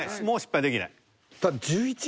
もう失敗できない。